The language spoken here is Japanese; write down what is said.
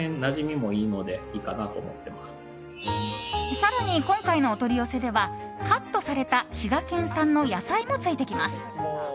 更に今回のお取り寄せではカットされた滋賀県産の野菜もついてきます。